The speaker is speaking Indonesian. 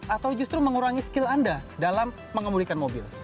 atau justru mengurangi skill anda dalam mengemudikan mobil